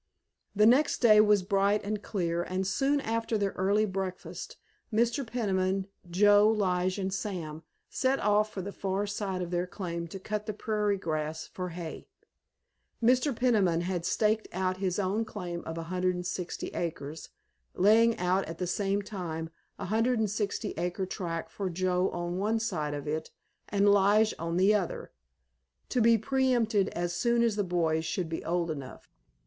The next day was bright and clear, and soon after their early breakfast Mr. Peniman, Joe, Lige, and Sam set off for the far side of their claim to cut the prairie grass for hay. Mr. Peniman had staked out his own claim of 160 acres, laying out at the same time a 160 acre tract for Joe on one side of it and Lige on the other, to be pre empted as soon as the boys should be old enough.